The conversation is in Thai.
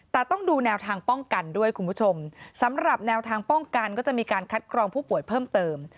แต่ต้องดูแนวทางป้องกันด้วยคุณผู้ชมสำหรับแนวทางป้องกันก็จะมีการคัดกรองผู้ป่วยเพิ่มเติม